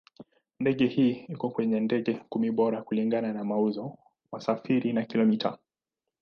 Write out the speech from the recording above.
Ndege hii iko kwenye ndege kumi bora kulingana na mauzo, wasafiri na kilomita.